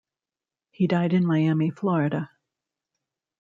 He died in Miami, Florida.